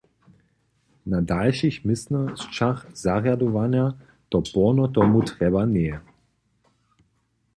Na dalšich městnosćach zarjadowanja to porno tomu trjeba njeje.